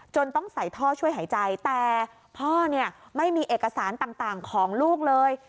ต้องใส่ท่อช่วยหายใจแต่พ่อเนี่ยไม่มีเอกสารต่างของลูกเลย